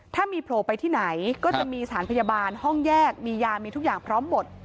ถ้ามีโผล่ไปที่ไหนก็จะมีสถานพยาบาลห้องแยกมียามีทุกอย่างพร้อมหมด